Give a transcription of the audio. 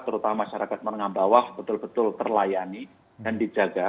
terutama masyarakat menengah bawah betul betul terlayani dan dijaga